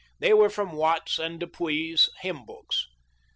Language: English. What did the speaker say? They were from Watts' and Dupuy's hymn books.